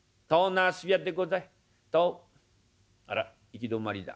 あら行き止まりだ。